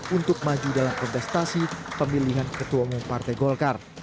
untuk maju dalam kontestasi pemilihan ketua umum partai golkar